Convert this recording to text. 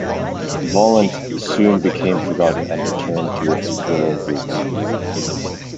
Volant soon became forgotten and returned to its rural roots.